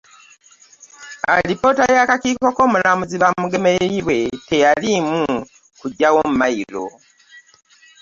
Alipoota y'akakiiko k'Omulamuzi Bamugemereirwe teyaliimu kuggyawo mayiro.